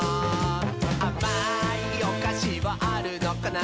「あまいおかしはあるのかな？」